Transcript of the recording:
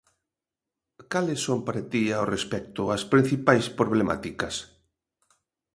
Cales son para ti, ao respecto, as principais problemáticas?